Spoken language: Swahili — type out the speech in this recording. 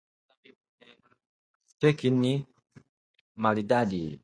Keki ni maridadi